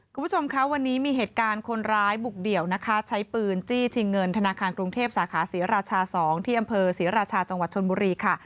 คุณผู้ชมคะวันนี้มีเหตุการณ์คนร้ายบุกเดี่ยวนะคะใช้ปืนจี้ชิงเงินธนาคารกรุงเทพสาขาศรีราชา๒ที่อำเภอศรีราชาจังหวัดชนบุรีค่ะ